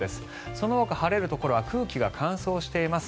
そのほか晴れるところは空気が乾燥しています。